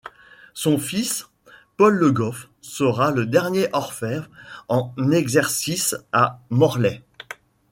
Son fils, Paul Le Goff, sera le dernier orfèvre en exercice à Morlaix.